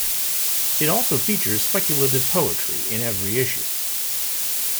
It also features speculative poetry in every issue.